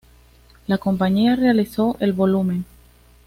La compañía realizó el volumen.